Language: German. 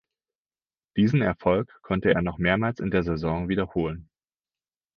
Diesen Erfolg konnte er noch mehrmals in der Saison wiederholen.